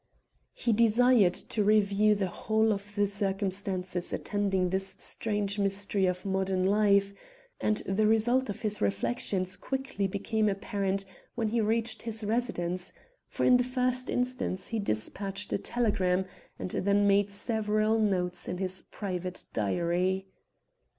He desired to review the whole of the circumstances attending this strange mystery of modern life, and the result of his reflections quickly became apparent when he reached his residence, for in the first instance he despatched a telegram, and then made several notes in his private diary.